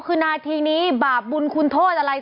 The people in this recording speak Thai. คือนาทีนี้บาปบุญคุณโทษอะไร